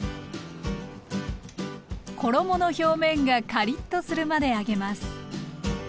衣の表面がカリッとするまで揚げます。